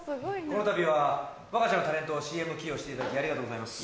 このたびはわが社のタレントをＣＭ起用していただきありがとうございます。